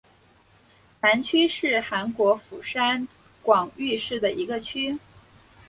南区是韩国釜山广域市的一个区。